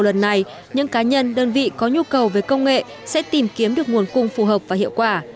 lần này những cá nhân đơn vị có nhu cầu về công nghệ sẽ tìm kiếm được nguồn cung phù hợp và hiệu quả